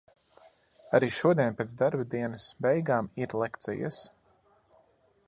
Arī šodien pēc darba dienas beigām ir lekcijas.